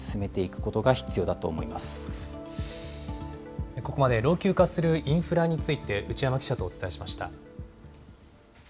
ここまで、老朽化するインフラについて、内山記者とお伝えしました。